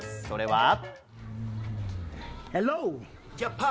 それは。